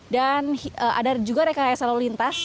dan ada juga rekayasa lalu lintas